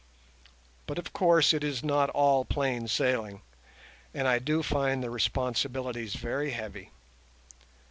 But, of course, it is not all plain sailing, and I find the responsibilities very heavy.